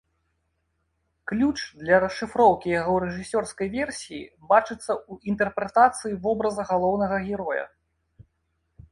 Ключ для расшыфроўкі яго рэжысёрскай версіі бачыцца ў інтэрпрэтацыі вобраза галоўнага героя.